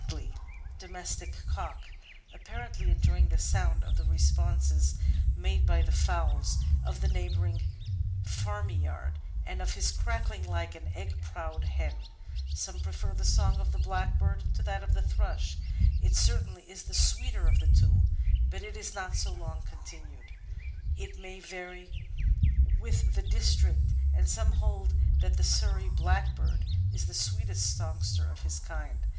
mndio keep aioK Natural Histoiy 417 domestic cock — "apparently enjoying the sound of the responses made by the fowls of the neighbouring farmyard" — and of his cackling like an egg proud henl Some prefer the song of the Blackbird to that of the Thrush. It certainly is the sweeter of the two, but it is not so long continued. It may vary with the district, and some hold that the Surrey Blackbird is the sweetest songster of his kind.